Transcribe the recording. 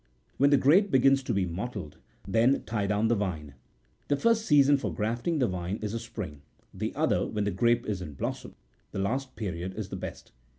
When the grape begins to be mottled, then tie down the vine. The first season for grafting the vine is the spring, the other when the grape is in blossom ; the last period is the best.